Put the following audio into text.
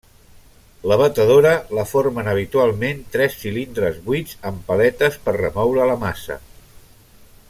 La batedora la formen habitualment tres cilindres buits amb paletes per remoure la massa.